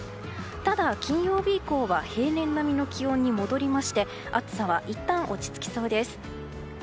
ただ、金曜日以降は平年並みの気温に戻りまして暑さはいったん落ち着きそうです。